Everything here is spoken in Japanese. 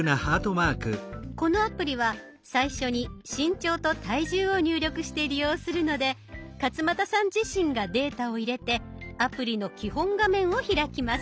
このアプリは最初に身長と体重を入力して利用するので勝俣さん自身がデータを入れてアプリの基本画面を開きます。